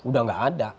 udah gak ada